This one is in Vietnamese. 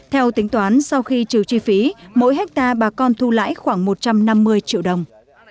theo tính toán sau khi trừ chi phí mỗi hectare bà con thu lãi khoảng một trăm năm mươi triệu đồng